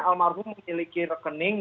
almarhum memiliki rekening